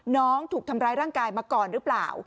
น้องถูกทำร้ายร่างกายมาก่อนหรือเปล่า